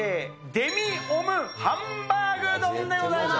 デミオムハンバーグ丼でございます。